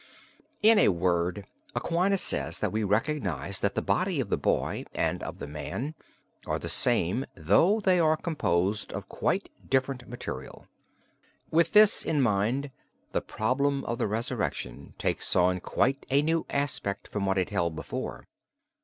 In a word, Aquinas says that we recognize that the body of the boy and of the man are the same though they are composed of quite different material. With this in mind the problem of the Resurrection takes on quite a new aspect from what it held before.